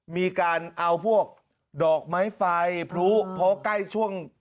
มีการเอาพวกดอกไม้ไฟพลุเพราะใกล้ช่วง